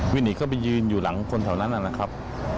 วิ่งหนีเข้าไปยืนอยู่หลังคนแถวนั้นนะครับ